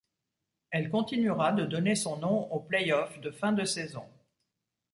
Elle continuera de donner son nom aux playoffs de fin de saison.